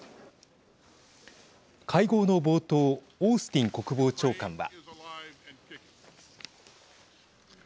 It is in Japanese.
会合の冒頭オースティン国防長官は。